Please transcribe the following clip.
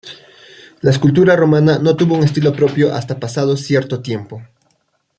La escultura romana no tuvo un estilo propio hasta pasado cierto tiempo.